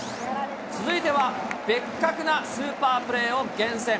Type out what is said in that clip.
続いてはベッカクなスーパープレーを厳選。